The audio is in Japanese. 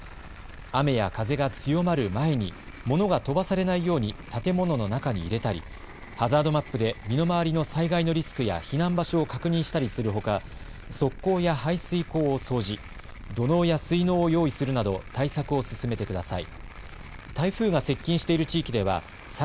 雨や風が強まる前に、物が飛ばされないように建物の中に入れたり、ハザードマップで身の回りの災害のリスクや避難場所を確認したりするほか、側溝や排水溝を掃除、土のうや水のうを用意するなど、対策を進めてください。